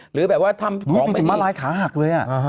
หรือแบบว่าทำมาลายขาหักเลย